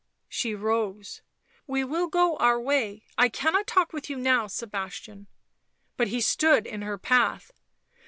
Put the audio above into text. She rose. "We will go on our way. I cannot talk with you now, Sebastian." But he stood in her path.